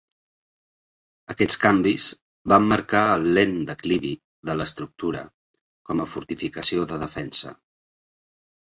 Aquests canvis van marcar el lent declivi de l'estructura com a fortificació de defensa.